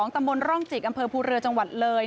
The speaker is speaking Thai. ตำบลร่องจิกอำเภอภูเรือจังหวัดเลย